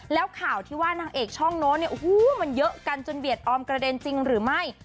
แล้วข่าวที่ว่านางเอกช่องโน้นเนี่ยโอ้โหมันเยอะกันจนเบียดออมกระเด็นจริงหรือไม่